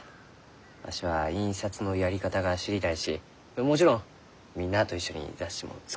わしは印刷のやり方が知りたいしもちろんみんなと一緒に雑誌も作りたいがじゃ。